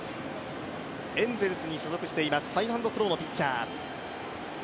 エンゼルスに所属しています、サイドハンドスローのピッチャー。